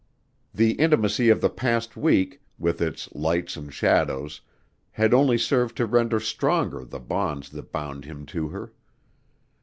The intimacy of the past week, with its lights and shadows, had only served to render stronger the bonds that bound him to her.